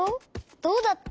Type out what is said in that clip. どうだった？